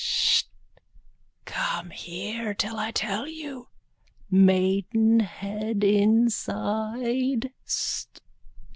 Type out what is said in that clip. _ Sst! Come here till I tell you. Maidenhead inside.